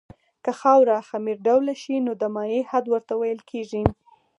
که خاوره خمیر ډوله شي نو د مایع حد ورته ویل کیږي